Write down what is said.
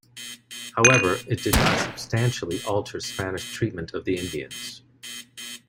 However, it did not substantially alter Spanish treatment of the Indians.